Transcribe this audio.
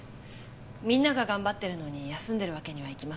みんなが頑張ってるのに休んでるわけにはいきません。